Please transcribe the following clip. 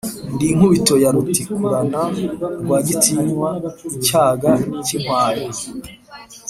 ndi inkubito ya rutikurana, rwagitinywa icyaga cy'inkwaya,